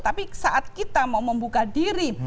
tapi saat kita mau membuka diri